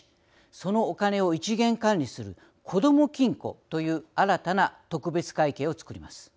そのお金を一元管理するこども金庫という新たな特別会計を作ります。